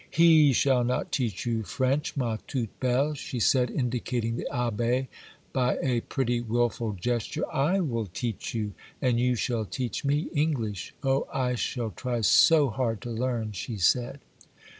'He shall not teach you French, ma toute belle,' she said, indicating the Abbé, by a pretty, wilful gesture; 'I will teach you;—and you shall teach me English. Oh I shall try so hard to learn!' she said.